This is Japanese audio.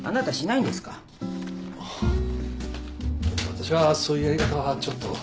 私はそういうやり方はちょっと。